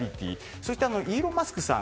そして、イーロン・マスクさん